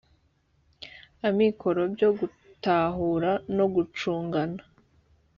amikoro byo gutahura no gucungana